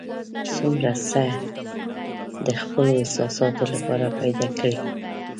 څومره څه د خپلو احساساتو لپاره پیدا کړي.